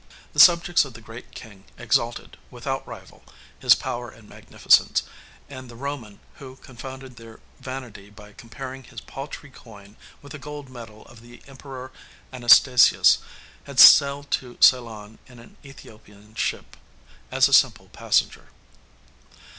The subjects of the great king exalted, without a rival, his power and magnificence; and the Roman, who confounded their vanity by comparing his paltry coin with a gold medal of the Emperor Anastasius, had sailed to Ceylon in an Æthiopian ship as a simple passenger.